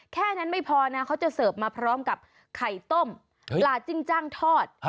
แค่นั้นไม่พอนะเขาจะเสิร์ฟมาพร้อมกับไข่ต้มปลาจิ้งจ้างทอด